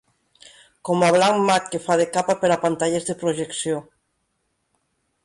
Com a blanc mat que fa de capa per a pantalles de projecció.